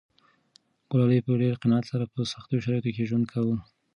ګلالۍ په ډېر قناعت سره په سختو شرایطو کې ژوند کاوه.